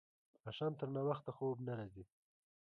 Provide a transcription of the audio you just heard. ماښام تر ناوخته خوب نه راځي.